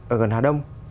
ở gần hà đông